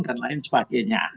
dan lain sebagainya